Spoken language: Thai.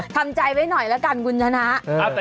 ทำใจไว้หน่อยละกันคุณชนะ